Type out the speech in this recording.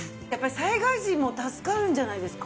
災害時も助かるんじゃないですか？